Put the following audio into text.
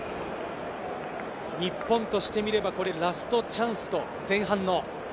日本としてみればラストチャンスです、前半の。